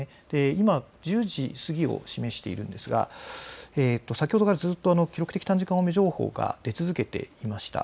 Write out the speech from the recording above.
今、１０時過ぎを示していますが先ほどからずっと記録的短時間大雨情報が出続けていました。